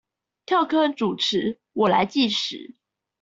跳坑主持，我來計時